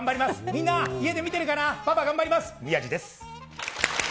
みんな、家で見てるかな、パパ頑張ります。